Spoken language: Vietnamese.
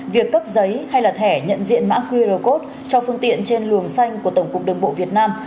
việc cấp giấy hay là thẻ nhận diện mã qr code cho phương tiện trên luồng xanh của tổng cục đường bộ việt nam